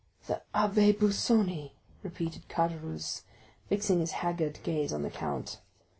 "The Abbé Busoni!" repeated Caderousse, fixing his haggard gaze on the count.